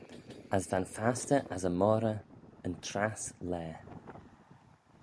As va'n fastyr as y moghrey yn trass laa.